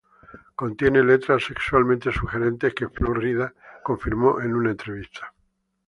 Contiene letras sexualmente sugerentes que Flo Rida confirmó en una entrevista.